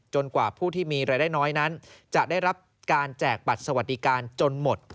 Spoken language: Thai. กว่าผู้ที่มีรายได้น้อยนั้นจะได้รับการแจกบัตรสวัสดิการจนหมด